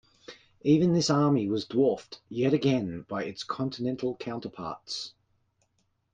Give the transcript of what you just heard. Even this army was dwarfed, yet again, by its continental counterparts.